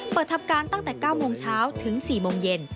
เปิดทำการตั้งแต่๙โมงเช้าถึง๔โมงเย็น